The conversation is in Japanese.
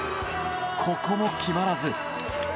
ここも決まらず。